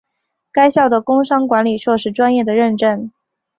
该校的工商管理硕士专业的认证。